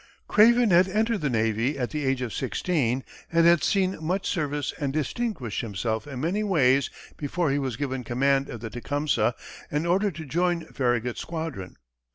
Craven had entered the navy at the age of sixteen and had seen much service and distinguished himself in many ways before he was given command of the Tecumseh and ordered to join Farragut's squadron.